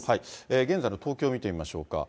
現在の東京を見てみましょうか。